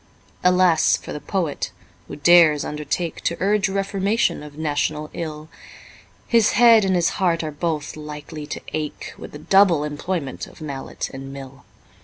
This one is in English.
Alas for the Poet, who dares undertake To urge reformation of national ill! His head and his heart are both likely to ache With the double employment of mallet and mill.